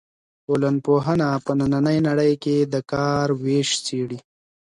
ټولنپوهنه په نننۍ نړۍ کې د کار وېش څېړي.